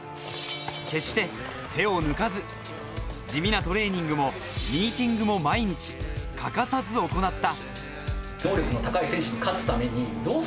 決して手を抜かず、地味なトレーニングもミーティングも毎日欠かさず行った。